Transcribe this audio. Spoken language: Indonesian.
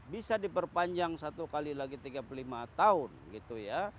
bisa diperpanjang satu kali lagi tiga puluh lima tahun gitu ya